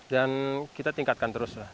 dan kita tingkatkan terus lah